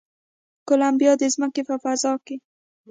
کولمبیا د ځمکې په فضا کې